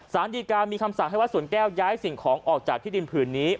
สารดีกามีคำสั่งให้วัดสวนแก้วย้ายสิ่งของออกจากที่ดินผืนนี้